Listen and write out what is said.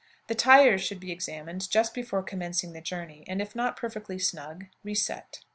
The tires should be examined just before commencing the journey, and, if not perfectly snug, reset.